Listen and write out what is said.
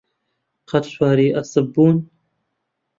قەت سواری ئەسپ بوون؟